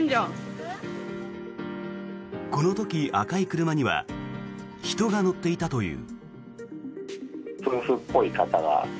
この時、赤い車には人が乗っていたという。